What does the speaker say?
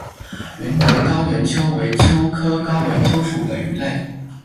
云南高原鳅为鳅科高原鳅属的鱼类。